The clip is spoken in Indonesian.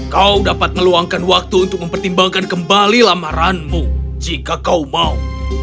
kau dapat meluangkan waktu untuk mempertimbangkan kembali lamaranmu jika kau mau